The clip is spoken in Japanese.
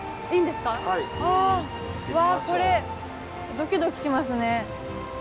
わこれドキドキしますね。